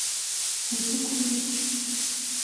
Утыкум икӏ.